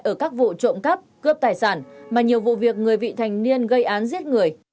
ở các vụ trộm cắp cướp tài sản mà nhiều vụ việc người vị thành niên gây án giết người